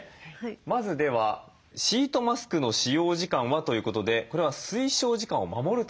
まずでは「シートマスクの使用時間は？」ということでこれは「推奨時間を守る」ということでした。